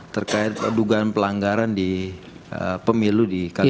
terkait dugaan pelanggaran di pemilu di kalimantan